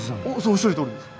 おっしゃるとおりです。